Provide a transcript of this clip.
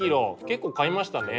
結構買いましたね。